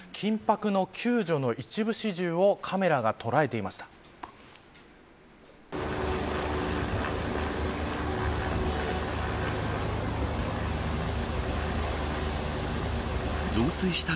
緊迫の救助の一部始終をカメラが捉えていました。